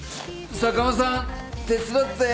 ・坂間さん手伝って。